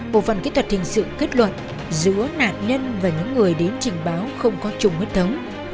bộ phần kỹ thuật hình sự kết luận giữa nạn nhân và những người đến trình báo không có chung huyết thống